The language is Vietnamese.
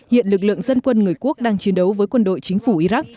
hiện lực lượng dân quân người quốc đang chiến đấu với quân đội chính phủ iraq